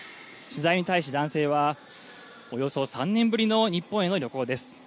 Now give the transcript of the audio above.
取材に対し、男性は、およそ３年ぶりの日本への旅行です。